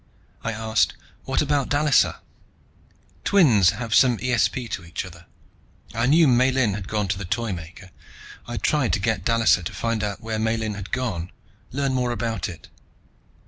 I asked, "What about Dallisa?" "Twins have some ESP to each other. I knew Miellyn had gone to the Toymaker. I tried to get Dallisa to find out where Miellyn had gone, learn more about it.